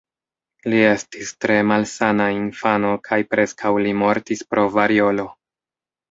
Li estis tre malsana infano kaj preskaŭ li mortis pro variolo.